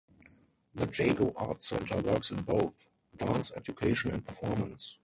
The Jago Art Center works in both dance education and performance.